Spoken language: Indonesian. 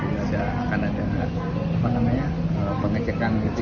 jadi akan ada pengecekan